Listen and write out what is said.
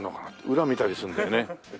裏見たりするんだよね。